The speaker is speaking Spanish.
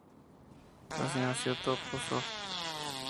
Así nació Topo Soft.